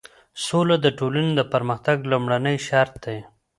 سوله د ټولنې د پرمختګ لومړی شرط دی.